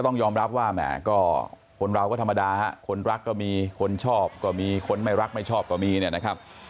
ต้องยอมรับว่าแหมก็คนเราก็ธรรมดาฮะคนรักก็มีคนชอบก็มีคนไม่รักไม่ชอบก็มีเนี่ยนะครับ